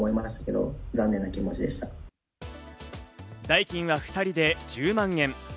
代金は２人で１０万円。